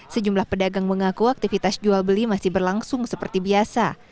sejumlah pedagang mengaku aktivitas jual beli masih berlangsung seperti biasa